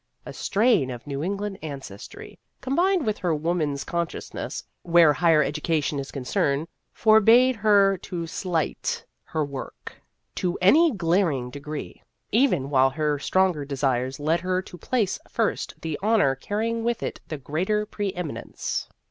A strain of New England ancestry, combined with her woman's con scientiousness where higher education is concerned, forbade her to slight her work 42 Vassar Studies to any glaring degree, even while her stronger desires led her to place first the honor carrying with it the greater pre emi nence.